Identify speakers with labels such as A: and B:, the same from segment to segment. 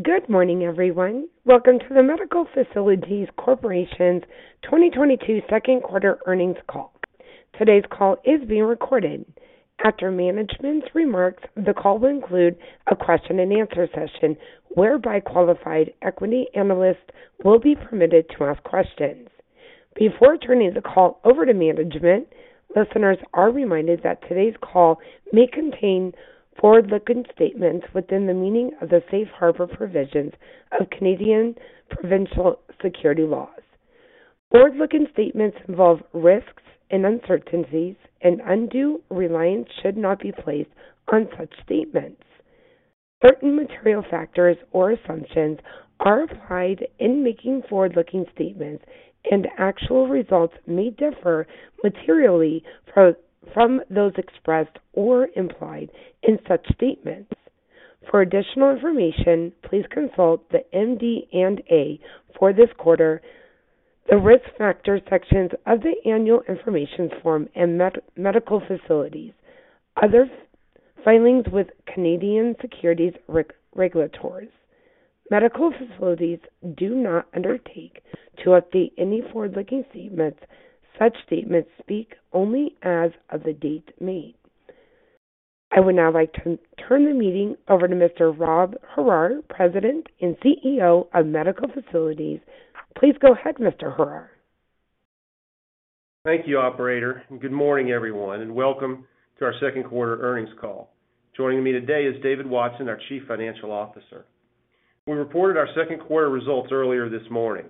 A: Good morning, everyone. Welcome to the Medical Facilities Corporation's 2022 Second Quarter Earnings Call. Today's call is being recorded. After management's remarks, the call will include a question and answer session whereby qualified equity analysts will be permitted to ask questions. Before turning the call over to management, listeners are reminded that today's call may contain forward-looking statements within the meaning of the safe harbor provisions of Canadian provincial securities laws. Forward-looking statements involve risks and uncertainties, and undue reliance should not be placed on such statements. Certain material factors or assumptions are applied in making forward-looking statements, and actual results may differ materially from those expressed or implied in such statements. For additional information, please consult the MD&A for this quarter, the Risk Factors sections of the annual information form and Medical Facilities Corporation's other filings with Canadian securities regulators. Medical Facilities do not undertake to update any forward-looking statements. Such statements speak only as of the date made. I would now like to turn the meeting over to Mr. Rob Horrar, President and CEO of Medical Facilities. Please go ahead, Mr. Horrar.
B: Thank you, operator, and good morning, everyone, and welcome to our Second Quarter Earnings Call. Joining me today is David Watson, our Chief Financial Officer. We reported our second quarter results earlier this morning.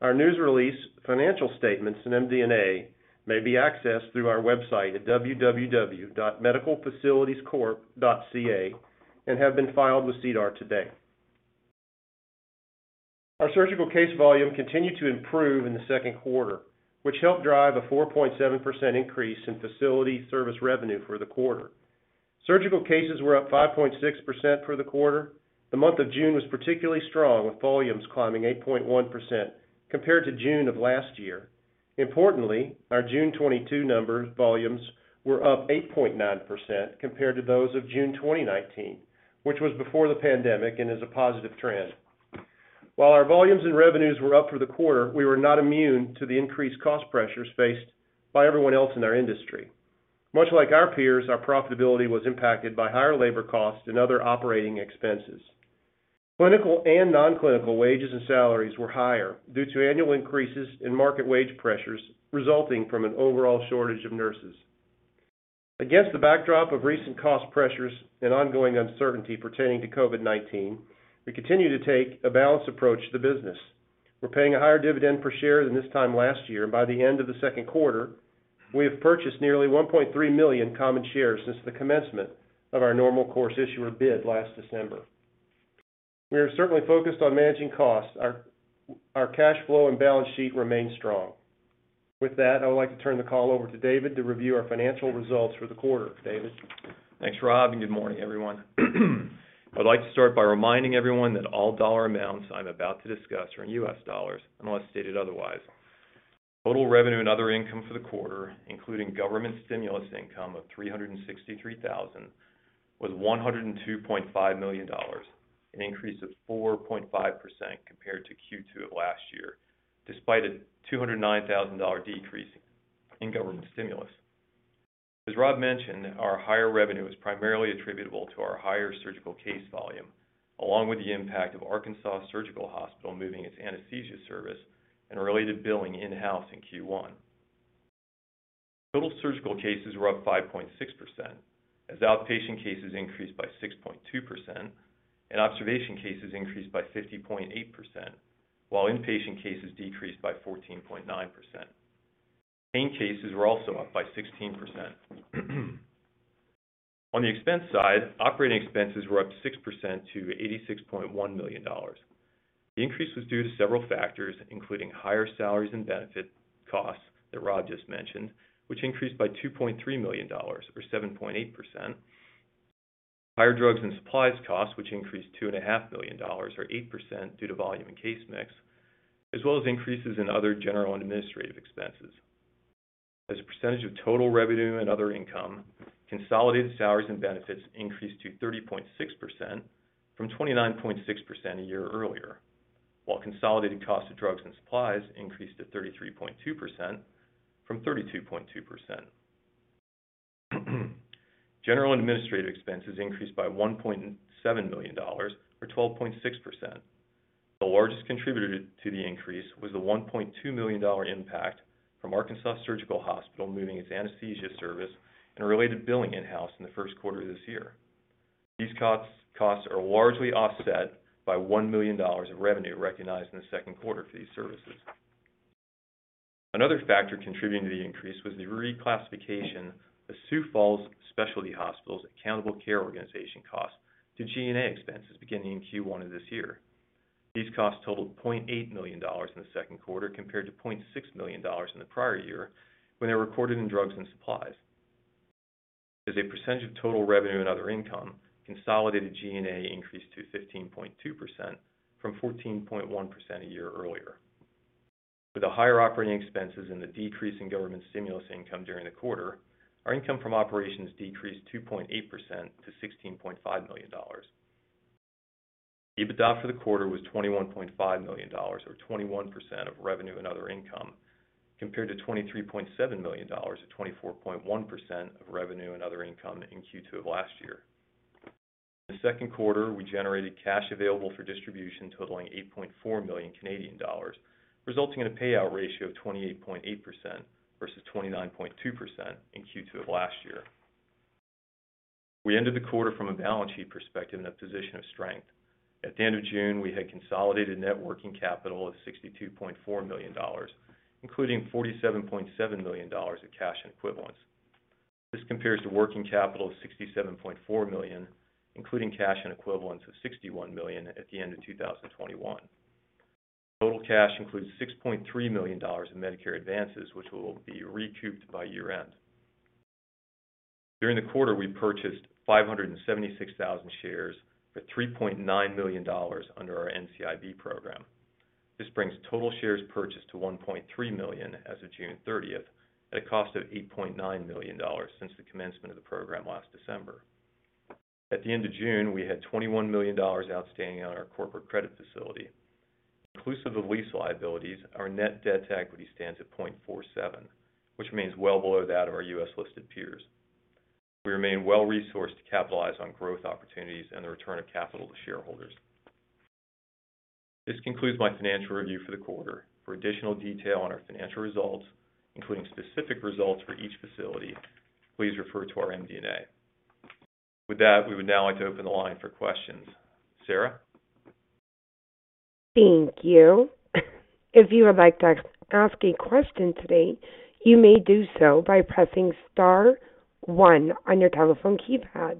B: Our news release, financial statements and MD&A may be accessed through our website at www.medicalfacilitiescorp.ca and have been filed with SEDAR today. Our surgical case volume continued to improve in the second quarter, which helped drive a 4.7% increase in facility service revenue for the quarter. Surgical cases were up 5.6% for the quarter. The month of June was particularly strong, with volumes climbing 8.1% compared to June of last year. Importantly, our June 2022 numbers volumes were up 8.9% compared to those of June 2019, which was before the pandemic and is a positive trend. While our volumes and revenues were up for the quarter, we were not immune to the increased cost pressures faced by everyone else in our industry. Much like our peers, our profitability was impacted by higher labor costs and other operating expenses. Clinical and non-clinical wages and salaries were higher due to annual increases in market wage pressures resulting from an overall shortage of nurses. Against the backdrop of recent cost pressures and ongoing uncertainty pertaining to COVID-19, we continue to take a balanced approach to business. We're paying a higher dividend per share than this time last year, and by the end of the second quarter, we have purchased nearly 1.3 million common shares since the commencement of our Normal Course Issuer Bid last December. We are certainly focused on managing costs. Our cash flow and balance sheet remain strong. With that, I would like to turn the call over to David to review our financial results for the quarter. David?
C: Thanks, Rob, and good morning, everyone. I'd like to start by reminding everyone that all dollar amounts I'm about to discuss are in U.S. dollars, unless stated otherwise. Total revenue and other income for the quarter, including government stimulus income of $363,000, was $102.5 million, an increase of 4.5% compared to Q2 of last year, despite a $209,000 decrease in government stimulus. As Rob mentioned, our higher revenue is primarily attributable to our higher surgical case volume, along with the impact of Arkansas Surgical Hospital moving its anesthesia service and related billing in-house in Q1. Total surgical cases were up 5.6%, as outpatient cases increased by 6.2% and observation cases increased by 50.8%, while inpatient cases decreased by 14.9%. Pain cases were also up by 16%. On the expense side, operating expenses were up 6% to $86.1 million. The increase was due to several factors, including higher salaries and benefit costs that Rob just mentioned, which increased by $2.3 million or 7.8%, higher drugs and supplies costs, which increased $2.5 million or 8% due to volume and case mix, as well as increases in other general and administrative expenses. As a percentage of total revenue and other income, consolidated salaries and benefits increased to 30.6% from 29.6% a year earlier, while consolidated cost of drugs and supplies increased to 33.2% from 32.2%. General and administrative expenses increased by $1.7 million or 12.6%. The largest contributor to the increase was the $1.2 million impact from Arkansas Surgical Hospital moving its anesthesia service and related billing in-house in the first quarter of this year. These costs are largely offset by $1 million of revenue recognized in the second quarter for these services. Another factor contributing to the increase was the reclassification of Sioux Falls Specialty Hospital's Accountable Care Organization cost to G&A expenses beginning in Q1 of this year. These costs totaled $0.8 million in the second quarter, compared to $0.6 million in the prior year, when they were recorded in drugs and supplies. As a percentage of total revenue and other income, consolidated G&A increased to 15.2% from 14.1% a year earlier. With the higher operating expenses and the decrease in government stimulus income during the quarter, our income from operations decreased 2.8% to $16.5 million. EBITDA for the quarter was $21.5 million or 21% of revenue and other income, compared to $23.7 million or 24.1% of revenue and other income in Q2 of last year. In the second quarter, we generated cash available for distribution totaling 8.4 million Canadian dollars, resulting in a payout ratio of 28.8% versus 29.2% in Q2 of last year. We ended the quarter from a balance sheet perspective in a position of strength. At the end of June, we had consolidated net working capital of $62.4 million, including $47.7 million of cash equivalents. This compares to working capital of $67.4 million, including cash and equivalents of $61 million at the end of 2021. Total cash includes $6.3 million in Medicare advances, which will be recouped by year-end. During the quarter, we purchased 576,000 shares for $3.9 million under our NCIB program. This brings total shares purchased to 1.3 million as of June 30 at a cost of $8.9 million since the commencement of the program last December. At the end of June, we had $21 million outstanding on our corporate credit facility. Inclusive of lease liabilities, our net debt to equity stands at 0.47, which remains well below that of our U.S.-listed peers. We remain well-resourced to capitalize on growth opportunities and the return of capital to shareholders. This concludes my financial review for the quarter. For additional detail on our financial results, including specific results for each facility, please refer to our MD&A. With that, we would now like to open the line for questions. Sarah?
A: Thank you. If you would like to ask a question today, you may do so by pressing star one on your telephone keypad.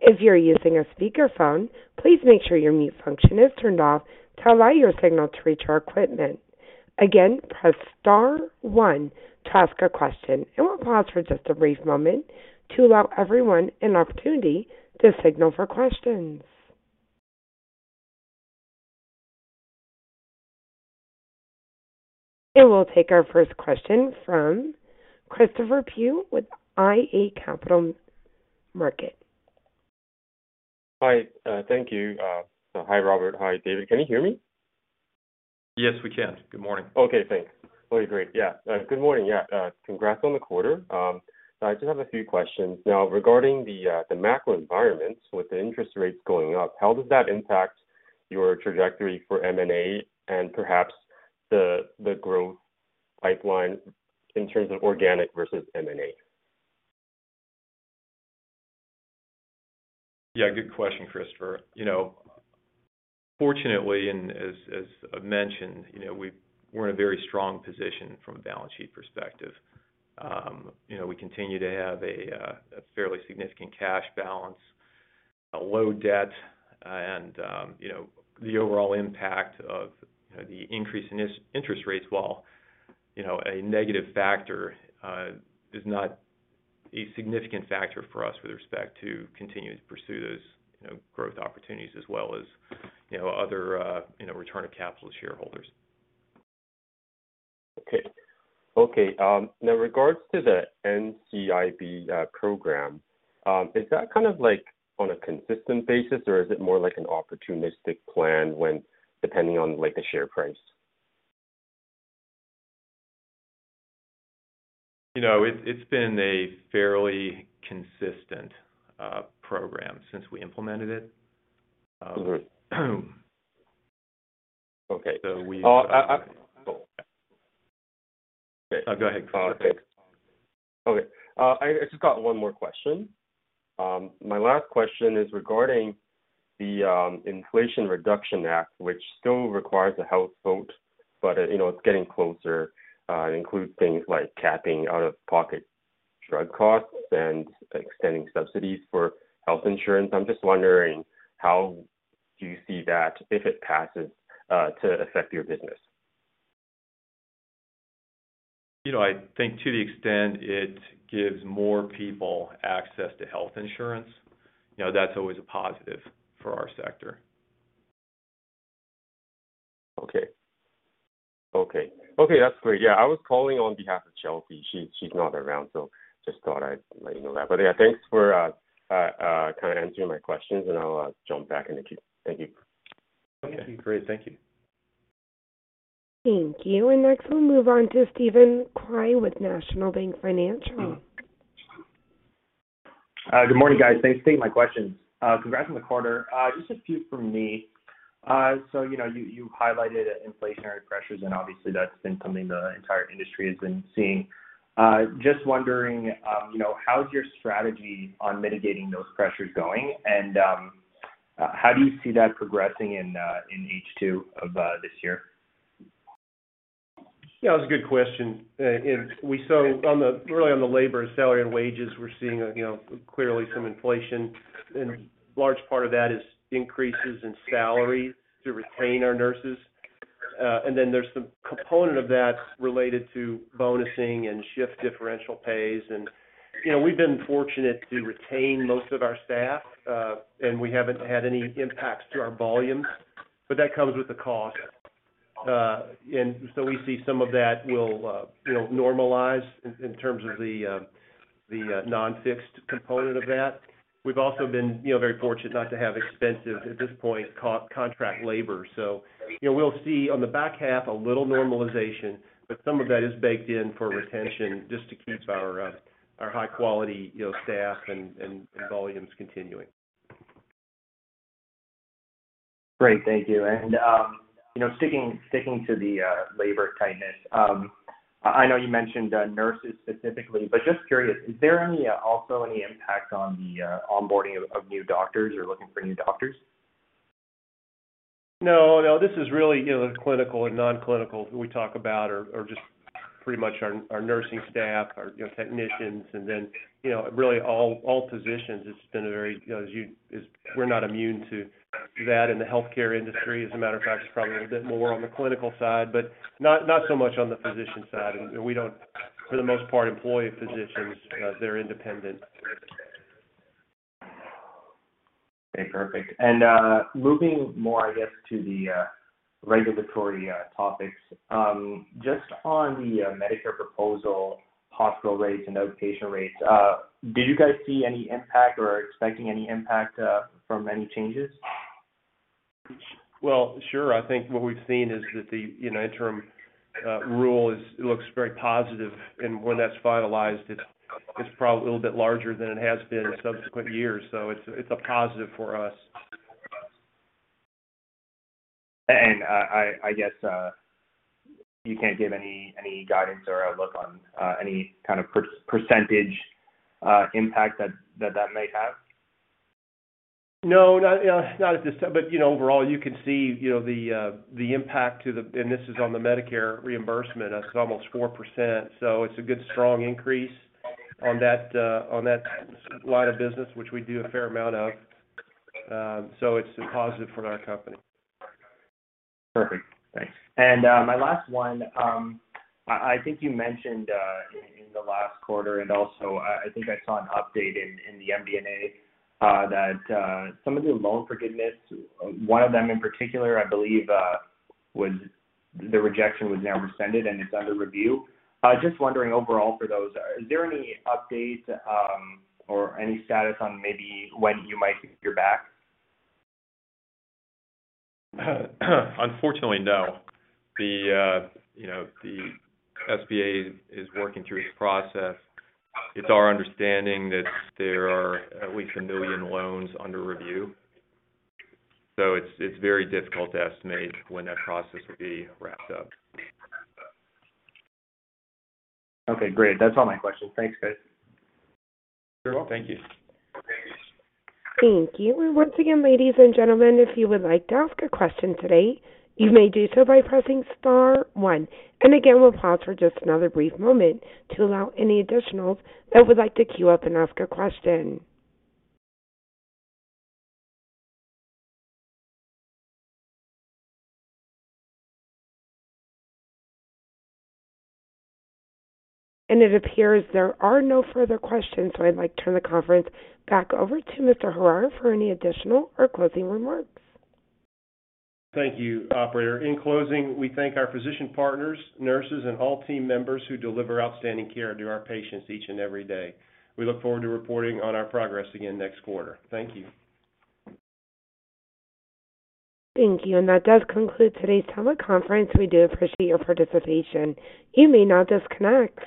A: If you're using a speakerphone, please make sure your mute function is turned off to allow your signal to reach our equipment. Again, press star one to ask a question, and we'll pause for just a brief moment to allow everyone an opportunity to signal for questions. We'll take our first question from [Christopher Pugh] with iA Capital Markets.
D: Hi. Thank you. Hi, Robert. Hi, David. Can you hear me?
C: Yes, we can. Good morning.
D: Okay, thanks. Oh, great. Yeah. Good morning. Yeah, congrats on the quarter. I just have a few questions. Now, regarding the macro environment with the interest rates going up, how does that impact your trajectory for M&A and perhaps the growth pipeline in terms of organic versus M&A?
C: Yeah, good question, Christopher. You know, fortunately, as mentioned, you know, we're in a very strong position from a balance sheet perspective. You know, we continue to have a fairly significant cash balance, a low debt, and, you know, the overall impact of, you know, the increase in these interest rates while, you know, a negative factor, is not a significant factor for us with respect to continuing to pursue those, you know, growth opportunities as well as, you know, other, you know, return of capital to shareholders.
D: Okay. Now regards to the NCIB program, is that kind of like on a consistent basis, or is it more like an opportunistic plan when depending on like the share price?
C: You know, it's been a fairly consistent program since we implemented it.
D: Okay.
C: So we.
D: Oh.
C: Cool. Go ahead.
D: Okay. I just got one more question. My last question is regarding the Inflation Reduction Act, which still requires a House vote, but you know, it's getting closer. It includes things like capping out-of-pocket drug costs and extending subsidies for health insurance. I'm just wondering how do you see that, if it passes, to affect your business?
C: You know, I think to the extent it gives more people access to health insurance, you know, that's always a positive for our sector.
D: Okay, that's great. Yeah, I was calling on behalf of Chelsea. She's not around, so just thought I'd let you know that. Yeah, thanks for kind of answering my questions, and I'll jump back in the queue. Thank you.
C: Thank you. Great. Thank you.
A: Thank you. Next we'll move on to [Steven Quin] with National Bank Financial.
E: Good morning, guys. Thanks for taking my questions. Congrats on the quarter. Just a few from me. So, you know, you highlighted inflationary pressures, and obviously that's been something the entire industry has been seeing. Just wondering, you know, how's your strategy on mitigating those pressures going? And, how do you see that progressing in H2 of this year?
B: Yeah, that's a good question. We saw really on the labor, salary, and wages, we're seeing, you know, clearly some inflation. Large part of that is increases in salaries to retain our nurses. Then there's some component of that related to bonusing and shift differential pays and you know, we've been fortunate to retain most of our staff, and we haven't had any impacts to our volumes, but that comes with a cost. We see some of that will, you know, normalize in terms of the non-fixed component of that. We've also been, you know, very fortunate not to have expensive, at this point, contract labor. You know, we'll see on the back half a little normalization, but some of that is baked in for retention just to keep our high quality, you know, staff and volumes continuing.
E: Great. Thank you. You know, sticking to the labor tightness, I know you mentioned nurses specifically, but just curious, is there any also any impact on the onboarding of new doctors? You're looking for new doctors?
B: No, no, this is really, you know, the clinical and non-clinical we talk about are just pretty much our nursing staff, you know, technicians. Then, you know, really all physicians. It's been a very, you know, we're not immune to that in the healthcare industry. As a matter of fact, it's probably a bit more on the clinical side, but not so much on the physician side. We don't, for the most part, employ physicians. They're independent.
E: Okay, perfect. Moving more, I guess, to the regulatory topics, just on the Medicare proposal, hospital rates and outpatient rates, do you guys see any impact or are expecting any impact from any changes?
B: Well, sure. I think what we've seen is that the, you know, interim rule looks very positive. When that's finalized, it's probably a little bit larger than it has been in subsequent years. It's a positive for us.
E: I guess you can't give any guidance or outlook on any kind of percentage impact that may have?
B: No, not at this time. You know, overall, you can see, you know, the impact to the Medicare reimbursement. It's almost 4%. It's a good, strong increase on that line of business, which we do a fair amount of. It's a positive for our company.
E: Perfect. Thanks. My last one, I think you mentioned in the last quarter, and also I think I saw an update in the MD&A, that some of the loan forgiveness, one of them in particular, I believe, the rejection was now rescinded and it's under review. Just wondering overall for those, is there any update, or any status on maybe when you might hear back?
C: Unfortunately, no. The, you know, the SBA is working through its process. It's our understanding that there are at least 1 million loans under review. It's very difficult to estimate when that process will be wrapped up.
E: Okay, great. That's all my questions. Thanks, guys.
B: You're welcome. Thank you.
A: Thank you. Once again, ladies and gentlemen, if you would like to ask a question today, you may do so by pressing star one. Again, we'll pause for just another brief moment to allow any additionals that would like to queue up and ask a question. It appears there are no further questions, so I'd like to turn the conference back over to Mr. Horrar for any additional or closing remarks.
B: Thank you, operator. In closing, we thank our physician partners, nurses, and all team members who deliver outstanding care to our patients each and every day. We look forward to reporting on our progress again next quarter. Thank you.
A: Thank you. That does conclude today's teleconference. We do appreciate your participation. You may now disconnect.